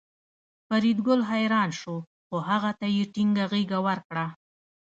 فریدګل حیران شو خو هغه ته یې ټینګه غېږه ورکړه